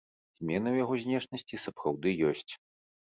Змены ў яго знешнасці сапраўды ёсць.